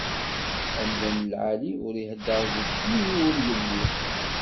Amdan lɛali, ur iheddeṛ deg imi ur ili.